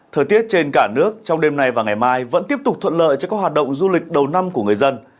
thời tiết trên cả nước trong đêm nay và ngày mai vẫn tiếp tục thuận lợi cho các hoạt động du lịch đầu năm của người dân